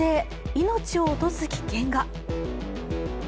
命を落とす危険が。